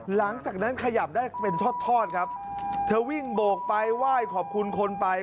หลังจากนั้นขยับได้เป็นทอดทอดครับเธอวิ่งโบกไปไหว้ขอบคุณคนไป